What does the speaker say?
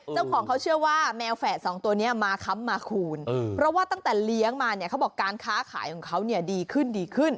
เจ้าของเขาเชื่อว่าแมวแฝดสองตัวนี้มาค้ำมาคูณเพราะว่าตั้งแต่เลี้ยงมาเนี่ยเขาบอกการค้าขายของเขาเนี่ยดีขึ้นดีขึ้น